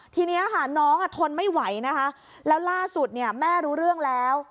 ทีนี้ค่ะน้องทนไม่ไหวนะคะแล้วล่าสุดเนี่ยแม่รู้เรื่องแล้ว